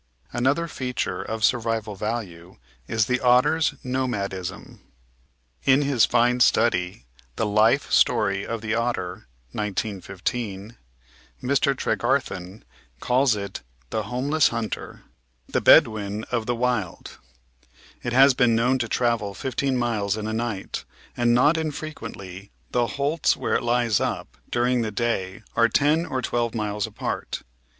Another feature of survival value is the otter's nomadism. In his fine study, The Life Story of the Otter ( 1915) , Mr. Tregarthen calls it "the homeless hunter," "the Bedouin of 488 The Outline of Science the wild.'* It has been known to travel fifteen miles in a night, and not infrequently the holts where it lies up during the day are ten or twelve miles apart.